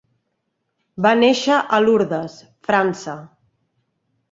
Va néixer a Lourdes, França.